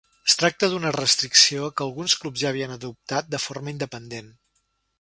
Es tracta d’una restricció que alguns clubs ja havien adoptat de forma independent.